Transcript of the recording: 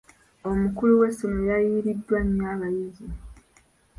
Omukulu w'essomero yayiiriddwa nnyo abayizi.